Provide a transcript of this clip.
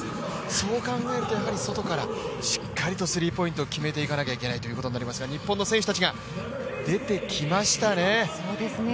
そう考えると、外からしっかりとスリーポイントを決めていかなければいけないということになりますが、日本の選手たちが出てきましたね。